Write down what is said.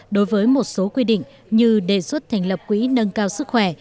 đối với một số quy định như đề xuất thành lập quỹ nâng cao sức khỏe